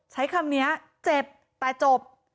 ใช้คำนี้เจ็บแต่จบ